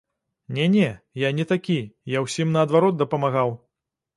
Не-не, я не такі, я ўсім наадварот дапамагаў.